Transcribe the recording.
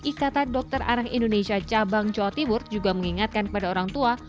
ikatan dokter anak indonesia cabang jawa timur juga mengingatkan kepada orang tua